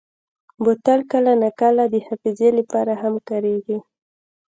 بوتل کله ناکله د حافظې لپاره هم کارېږي.